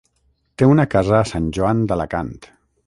Té una casa a Sant Joan d'Alacant.